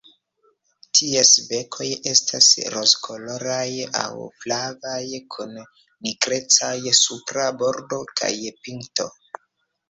Ties bekoj estas rozkoloraj aŭ flavaj kun nigrecaj supra bordo kaj pinto.